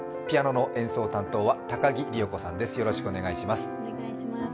ピアノの演奏担当は高木里代子さんです。